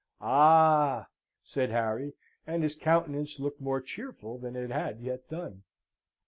"Ah!" said Harry; and his countenance looked more cheerful than it had yet done.